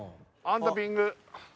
アンダピング。